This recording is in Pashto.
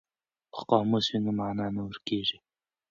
که قاموس وي نو مانا نه ورکیږي.